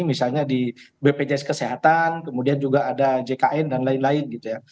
misalnya di bpjs kesehatan kemudian juga ada jkn dan lain lain gitu ya